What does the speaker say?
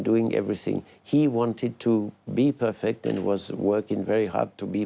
พ่ออยากเป็นความสุขและยังทำอย่างสุขที่สุด